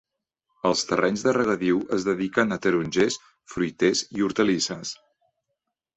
Els terrenys de regadiu es dediquen a tarongers, fruiters i hortalisses.